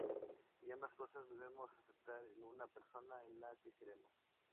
Y ambas cosas debemos aceptar en una persona a la que queremos.